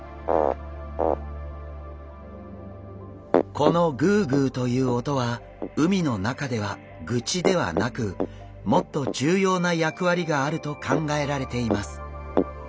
このグゥグゥという音は海の中ではグチではなくもっと重要な役割があると考えられています。